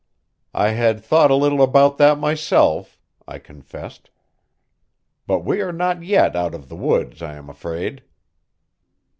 "I had thought a little about that myself," I confessed. "But we are not yet out of the woods, I am afraid."